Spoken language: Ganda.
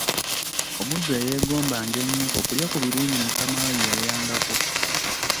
Omuddu eyeegombanga ennyo okulya ku birungi mukama we by’alyangako.